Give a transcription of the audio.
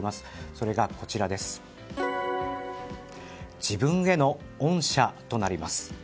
それがこちら自分への恩赦となります。